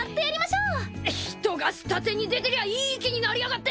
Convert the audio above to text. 人が下手に出てりゃあいい気になりやがって！